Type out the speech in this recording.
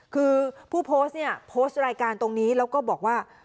คือผู้โพสต์เนี่ยโพสต์รายการตรงนี้แล้วก็บอกว่า